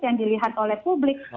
yang dilihat oleh publik